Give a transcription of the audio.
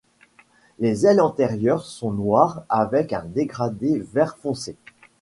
Les ailes antérieures sont noires avec un dégradé vert foncé.